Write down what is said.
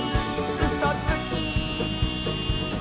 「うそつき！」